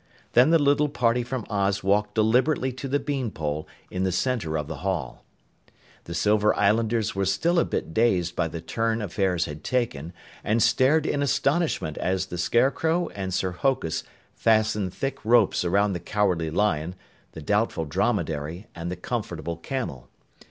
Then the little party from Oz walked deliberately to the bean pole in the center of the hall. The Silver Islanders were still a bit dazed by the turn affairs had taken and stared in astonishment as the Scarecrow and Sir Hokus fastened thick ropes around the Cowardly Lion, the Doubtful Dromedary and the Comfortable Camel.